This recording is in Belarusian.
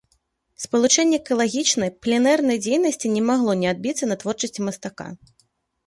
Спалучэнне экалагічнай, пленэрнай дзейнасці не магло не адбіцца на творчасці мастака.